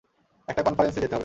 একটা কনফারেন্সে যেতে হবে।